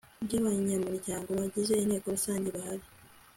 by abanyamuryango bagize inteko rusange bahari